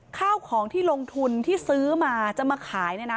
ข้าวของที่ลงทุนที่ซื้อมาจะมาขายเนี่ยนะ